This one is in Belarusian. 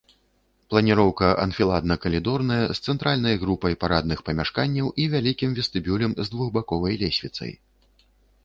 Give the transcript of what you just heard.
Планіроўка анфіладна-калідорная з цэнтральнай групай парадных памяшканняў і вялікім вестыбюлем з двухбаковай лесвіцай.